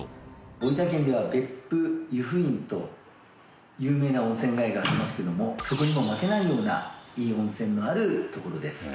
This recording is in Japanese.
大分県には別府由布院と有名な温泉街がありますけどもそこにも負けないようないい温泉のある所です。